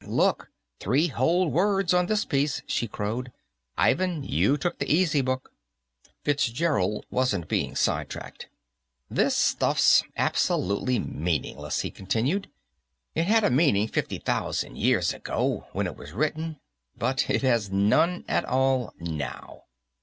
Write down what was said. "Look; three whole words on this piece," she crowed. "Ivan, you took the easy book." Fitzgerald wasn't being sidetracked. "This stuff's absolutely meaningless," he continued. "It had a meaning fifty thousand years ago, when it was written, but it has none at all now."